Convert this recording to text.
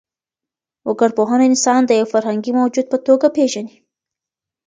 وګړپوهنه انسان د يو فرهنګي موجود په توګه پېژني.